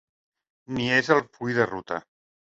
Ni és el full de ruta.